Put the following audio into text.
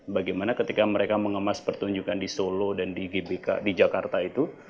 bagaimana ketika mereka mengemas pertunjukan di solo dan di gbk di jakarta itu